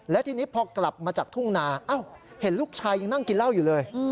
และทีนี้พอกลับมาจากทุ่งนาเห็นลูกชายยังนั่งกินเหล้าอยู่เลย